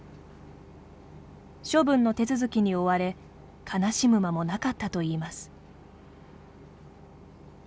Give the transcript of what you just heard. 処分の手続きに追われ悲しむ間もなかったといいます。